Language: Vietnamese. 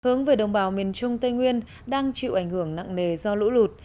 hướng về đồng bào miền trung tây nguyên đang chịu ảnh hưởng nặng nề do lũ lụt